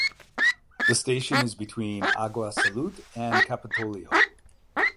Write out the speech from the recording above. The station is between Agua Salud and Capitolio.